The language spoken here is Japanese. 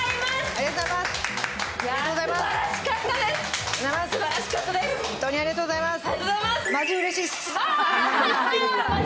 ありがとうございます。